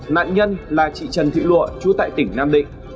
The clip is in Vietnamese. nạn nhân là chị trần thị lụa chú tại tỉnh nam định